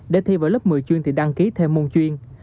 để thi vào lớp một mươi chuyên thì đăng ký thêm môn chuyên